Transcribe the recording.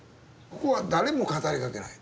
ここは誰も語りかけない。